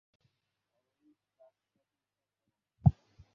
আর এই ফ্রাঁস স্বাধীনতার আবাস।